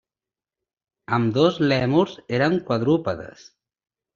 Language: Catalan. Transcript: Ambdós lèmurs eren quadrúpedes.